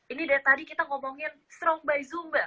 ini dari tadi kita ngomongin strong by zumba